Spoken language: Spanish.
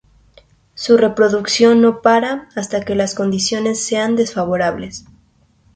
Su reproducción no para hasta que las condiciones sean desfavorables.